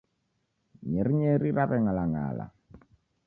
Nyerinyeri raweng'alang'ala.